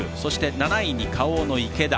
７位にＫａｏの池田。